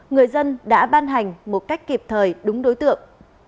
người dân đã ban hành một cách kịp thời đúng đối tượng